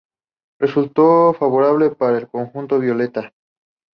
Resultado favorable para el conjunto violeta.